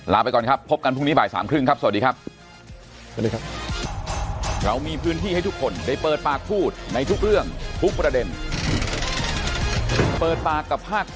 ไปก่อนครับพบกันพรุ่งนี้บ่ายสามครึ่งครับสวัสดีครับ